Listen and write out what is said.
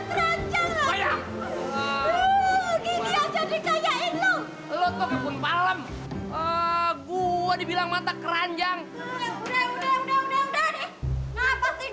kaya gini aja dikayain lo lo toko pun palem gua dibilang mata keranjang udah udah udah udah